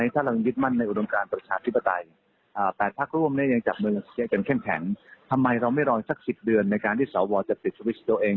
เหลือกตั้งก็ดึงมาเรื่อยจนถึงกระทั่ง